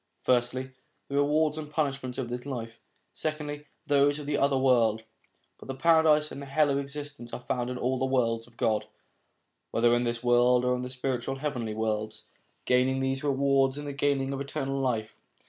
Firstly, the rewards and punishments of this life; secondly, those of the other world. But the paradise and hell of existence are found in all the worlds of God, whether in this world or in the spiritual heavenly worlds. Gaining these rewards is the gaining of eternal life.